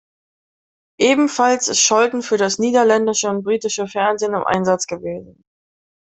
Ebenfalls ist Scholten für das niederländische und britische Fernsehen im Einsatz gewesen.